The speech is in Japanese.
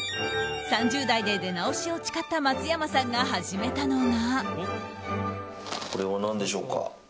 ３０代での出直しを誓った松山さんが始めたのが。